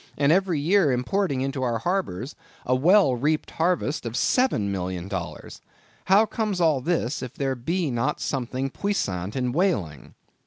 and every year importing into our harbors a well reaped harvest of $7,000,000. How comes all this, if there be not something puissant in whaling?